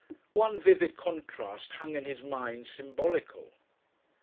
One vivid contrast hung in his mind symbolical.